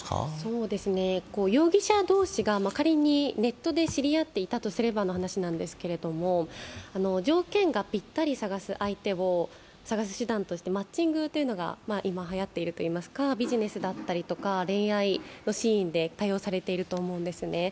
容疑者同士が仮にネットで知り合ったとすればの話なんですけれども条件がぴったり探す手段としてマッチングというのが今はやっているといいますか、ビジネスだったり恋愛のシーンで多用されていると思うんですね。